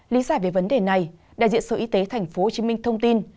lý giải về vấn đề này đại diện sở y tế tp hcm thông tin